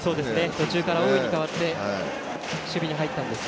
途中から大井に代わって守備に入ったんです。